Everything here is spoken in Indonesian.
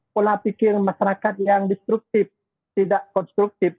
pola pikir masyarakat yang destruktif tidak konstruktif